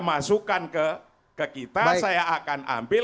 masukan ke kita saya akan ambil